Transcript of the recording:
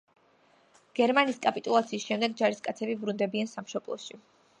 გერმანიის კაპიტულაციის შემდეგ ჯარისკაცები ბრუნდებიან სამშობლოში.